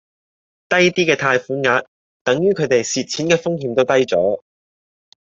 低啲嘅貸款額等於佢地蝕錢嘅風險都低左